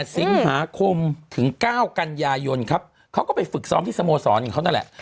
สิงหาคมถึง๙กันยายนครับเขาก็ไปฝึกซ้อมที่สโมสรของเขานั่นแหละ